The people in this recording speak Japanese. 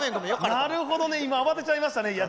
なるほどね慌てちゃいましたね。